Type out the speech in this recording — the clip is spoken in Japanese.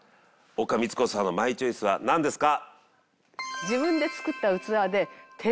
丘みつ子さんのマイチョイスはなんですか？